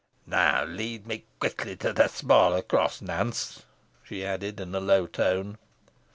"Now lead me quickly to the smaller cross, Nance," she added, in a low tone.